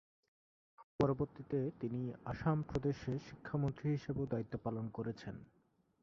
পরবর্তীতে তিনি আসাম প্রদেশের শিক্ষামন্ত্রী হিসেবেও দায়িত্ব পালন করেছেন।